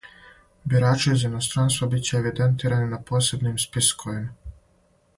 Бирачи из иностранства биће евидентирани на посебним списковима.